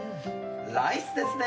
ライスですね。